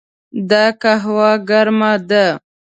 دا قهوه ګرمه ده.